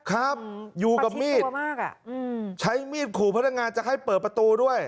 ครับอยู่กับมีดอ่ะอืมใช้มีดขู่พนักงานจะให้เปิดประตูด้วย